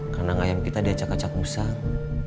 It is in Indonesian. karena ngayam kita diajak acak usang